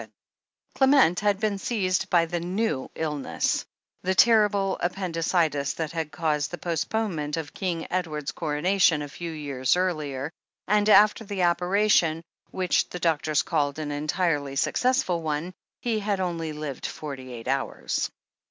THE HEEL OF ACHILLES 337 Clement had been seized by the "new" illness, the terrible appendicitis that had caused the postponement of King Edward's Coronation a few years earlier, and after the operation, which the doctors called an entirely successful one, he had only lived forty eight hours.